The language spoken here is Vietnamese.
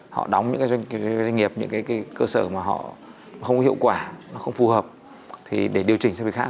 họ đóng những doanh nghiệp những cơ sở mà họ không hiệu quả không phù hợp để điều chỉnh cho việc khác